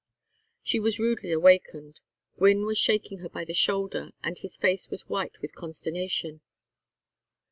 She was rudely awakened. Gwynne was shaking her by the shoulder, and his face was white with consternation.